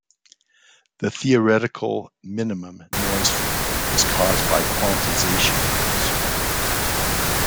The theoretical minimum noise floor is caused by quantization noise.